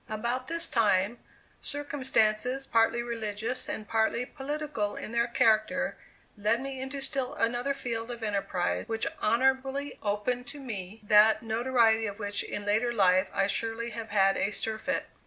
About this time, circumstances partly religious and partly political in their character led me into still another field of enterprise which honorably opened to me that notoriety of which in later life I surely have had a surfeit.